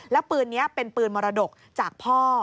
วันนี้เป็นปืนมรดกจากพ่อ